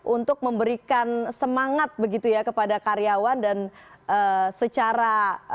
untuk memberikan semangat begitu ya kepada karyawan dan secara